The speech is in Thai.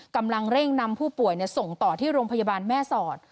กำลังเร่งนำผู้ป่วยส่งต่อที่โรงพยาบาลแม่สอด